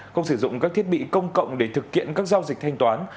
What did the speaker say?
không sử dụng các thiết bị công cộng để thực hiện các giao dịch thanh toán